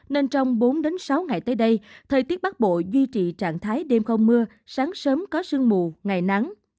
nên trong bốn sáu ngày tới đây thời tiết bắc bộ duy trì trạng thái đêm không mưa sáng sớm có sương mù ngày nắng